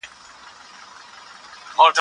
تاسو به له بېهوده کارونو څخه ډډه کوئ.